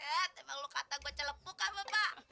eh emang lo kata gue celek buka apa pak